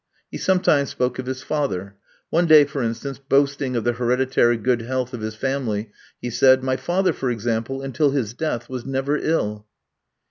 He sometimes spoke of his father. One day for instance, boasting of the hereditary good health of his family, he said: "My father, for example, until his death was never ill."